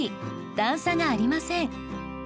段差がありません。